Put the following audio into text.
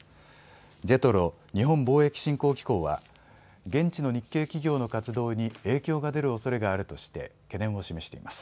ＪＥＴＲＯ・日本貿易振興機構は現地の日系企業の活動に影響が出るおそれがあるとして懸念を示しています。